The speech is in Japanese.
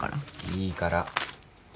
いいから。